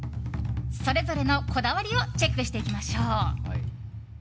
それぞれのこだわりをチェックしていきましょう。